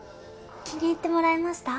気に入ってもらえました？